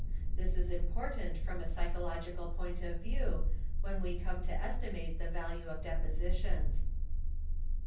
This is important from a psychological point of view when we come to estimate the value of depositions.